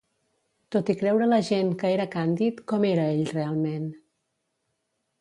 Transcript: Tot i creure la gent que era càndid, com era ell realment?